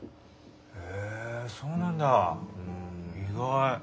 へえそうなんだ意外。